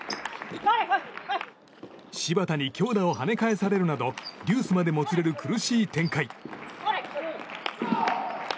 芝田に強打を跳ね返されるなどジュースまでもつれる苦しい展開。